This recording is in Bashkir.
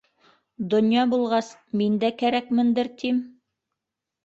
Донъяла булғас, мин дә кәрәкмендер, тим.